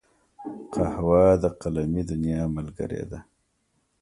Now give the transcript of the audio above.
قهوه د قلمي دنیا ملګرې ده